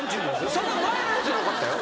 その前のやつよかったよ。